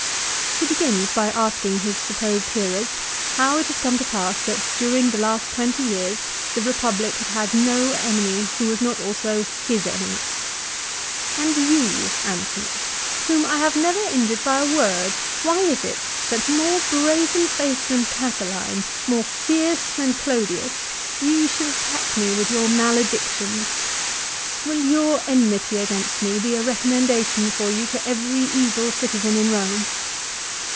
He begins by asking his supposed hearers how it has come to pass that during the last twenty years the Republic had had no enemy who was not also his enemy. " And you, Antony, whom I have never injured by a word, why is it that, more brazen faced than Catiline, more fierce than Clodius, you should attack me with your maledictions ? Will your enmity against me be a recommendation for you to every evil citizen in Rome